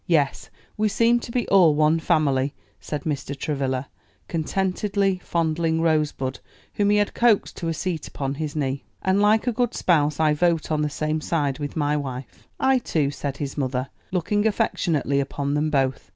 "Yes; we seem to be all one family," said Mr. Travilla, contentedly, fondling Rosebud, whom he had coaxed to a seat upon his knee; "and like a good spouse, I vote on the same side with my wife." "I too," said his mother, looking affectionately upon them both.